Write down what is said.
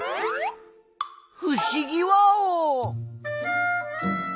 ふしぎワオ！